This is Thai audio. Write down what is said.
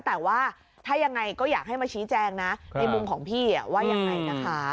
แต่ว่าถ้ายังไงก็อยากให้มาชี้แจงนะในมุมของพี่ว่ายังไงนะคะ